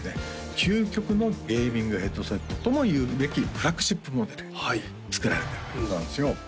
究極のゲーミングヘッドセットとも言うべきフラッグシップモデル作られてるということなんですよ